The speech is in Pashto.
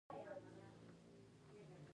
مېوې د افغانستان د چاپیریال ساتنې لپاره مهم دي.